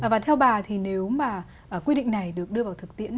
và theo bà thì nếu mà quy định này được đưa vào thực tiễn